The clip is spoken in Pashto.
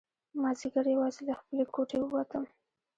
مازیګر یوازې له خپلې کوټې ووتم.